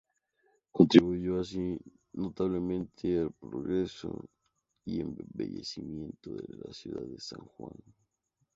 Contribuyó así notablemente al progreso y embellecimiento de la ciudad de San Juan.